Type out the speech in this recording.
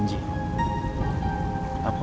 tentara sebodong tante